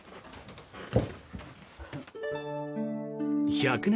１００年